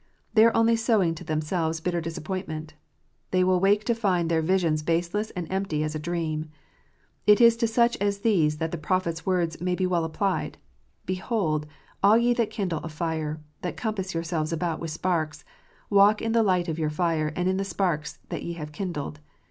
They are only sowing to themselves bitter disap pointment. They will awake to find their visions baseless and empty as a dream. It is to such as these that the Prophet s words may be well applied :" Behold, all ye that kindle a fire, that compass yourselves about with sparks : walk in the light of your fire, and in the sparks that ye have kindled.